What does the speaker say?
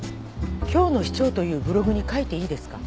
「今日の市長」というブログに書いていいですか？